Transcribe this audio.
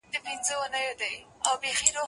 زه هره ورځ ليکلي پاڼي ترتيب کوم!؟